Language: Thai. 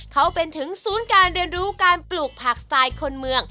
เขาเป็นถึงศูนย์การเรียนรู้การปลูกผักสไตล์คนเมือง